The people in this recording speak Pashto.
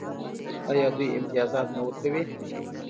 آیا دوی امتیازات نه ورکوي؟